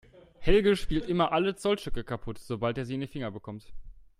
Helge spielt immer alle Zollstöcke kaputt, sobald er sie in die Finger bekommt.